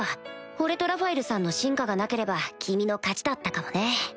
俺とラファエルさんの進化がなければ君の勝ちだったかもね